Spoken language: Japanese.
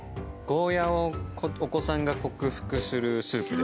ゴーヤーをお子さんが克服するスープですもんね。